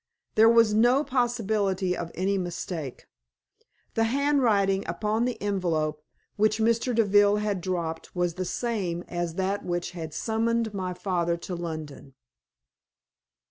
There was no possibility of any mistake. The handwriting upon the envelope which Mr. Deville had dropped was the same as that which had summoned my father to London.